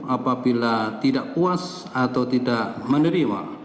apabila tidak puas atau tidak menerima